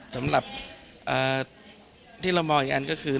สำหรับที่เรามองอีกอันก็คือ